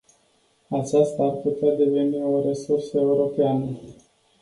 Aceasta ar putea deveni o resursă europeană.